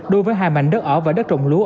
đối với hai mảnh đất ở và đất trồng lúa